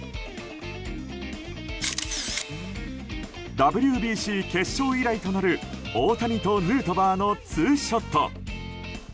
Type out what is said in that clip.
ＷＢＣ決勝以来となる、大谷とヌートバーのツーショット。